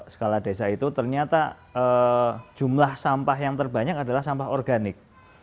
skala desa itu ternyata jumlah sampah yang terbanyak adalah sampah organik